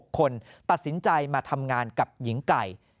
คนตัดสินใจมาทำงานกับหญิงไก่